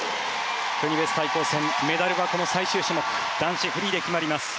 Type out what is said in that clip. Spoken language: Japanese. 国別対抗戦メダルはこの最終種目男子フリーで決まります。